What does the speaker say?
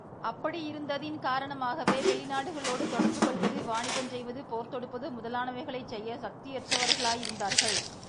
அப்படியிருந்ததின் காரணமாகவே, வெளிநாடுகளோடு தொடர்புகொள்வது, வாணிபஞ் செய்வது, போர் தொடுப்பது முதலானவைகளைச் செய்யச் சக்தியற்றவர்களாயிருந்தார்கள்.